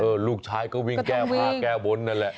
เออลูกชายก็วิ่งแก้ผ้าแก้บนอะไรแหละ